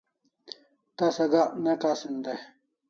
Tasa Gak ne kasin dai